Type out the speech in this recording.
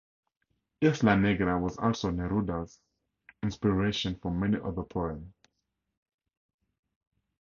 Isla Negra was also Neruda's inspiration for many other poems.